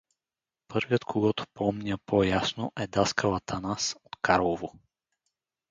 Първият, когото помня по-ясно, е даскал _Атанас_ от Карлово.